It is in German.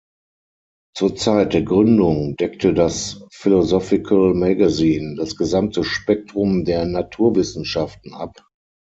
Zur Zeit der Gründung deckte das "Philosophical Magazine" das gesamte Spektrum der Naturwissenschaften ab.